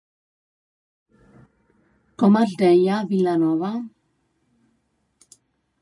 Com es deia vila nova?